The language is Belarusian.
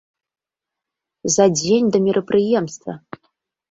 За дзень да мерапрыемства!